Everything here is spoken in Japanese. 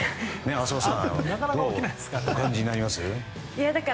浅尾さんどうお感じになりますか？